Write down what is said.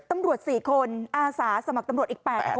ตำรวจ๔คนอาสาสมัครตำรวจอีก๘คน